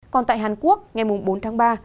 còn tại hàn quốc ngày bốn tháng ba